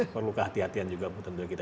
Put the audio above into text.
perlu kehatian kehatian juga tentunya kita